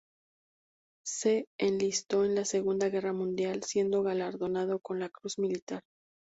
Se enlistó en la segunda guerra mundial, siendo galardonado con la Cruz Militar.